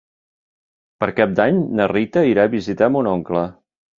Per Cap d'Any na Rita irà a visitar mon oncle.